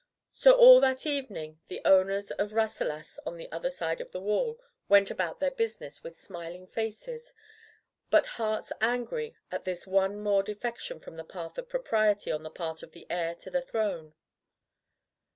So all that evening the owners of Rasselas on the other side of the wall went about their business with smiling faces, but hearts angry at this one more defection from the path of propriety on the part of the heir to the throne.